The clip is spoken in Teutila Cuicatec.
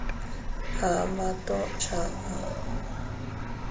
Ama toʼo chaʼa.